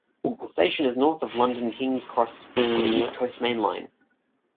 The station is north of London King's Cross on the East Coast Main Line.